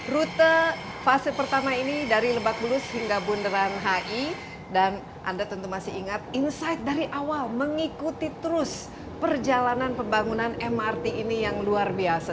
rute fase pertama ini dari lebak bulus hingga bundaran hi dan anda tentu masih ingat insight dari awal mengikuti terus perjalanan pembangunan mrt ini yang luar biasa